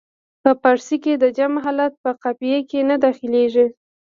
په فارسي کې د جمع حالت په قافیه کې نه داخلیږي.